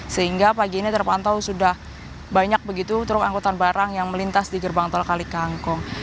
sehingga pagi ini terpantau sudah banyak begitu truk angkutan barang yang melintas di gerbang tol kalikangkung